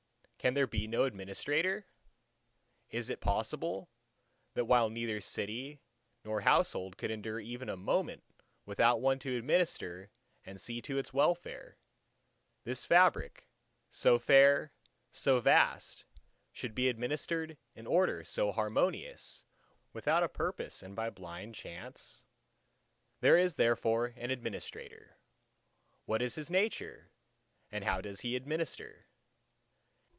Can there be no Administrator? is it possible, that while neither city nor household could endure even a moment without one to administer and see to its welfare, this Fabric, so fair, so vast, should be administered in order so harmonious, without a purpose and by blind chance? There is therefore an Administrator. What is His nature and how does He administer?